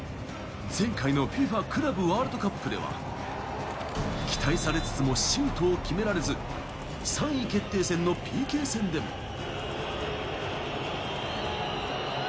前回のＦＩＦＡクラブワールドカップでは、期待されつつもシュートを決められず、３位決定戦のＰＫ戦でも。